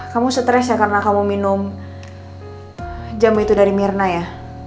kamu stres ya karena kamu minum jamu itu dari mirna ya